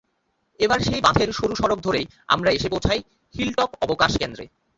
এবার সেই বাঁধের সরু সড়ক ধরেই আমরা এসে পৌঁছাই হিলটপ অবকাশকেন্দ্রে।